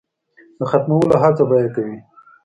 د ختمولو هڅه به یې کوي.